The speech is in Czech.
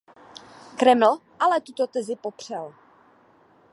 Kreml ale tuto tezi popřel.